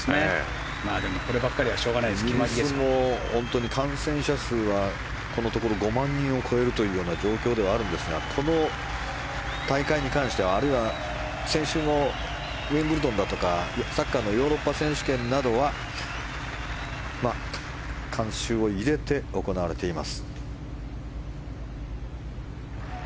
でもこればっかりはしょうがないですイギリスも感染者数はここのところ５万人を超えるという状況ではあるんですがこの大会に関してはあるいは先週のウィンブルドンだとかサッカーのヨーロッパ選手権などは観衆を入れて行われています。